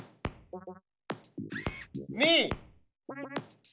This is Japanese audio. ２。